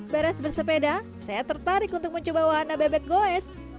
beres bersepeda saya tertarik untuk mencoba wahana bebek goes